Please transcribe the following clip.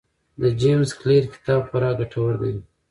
د جیمز کلیر کتاب خورا ګټور دی.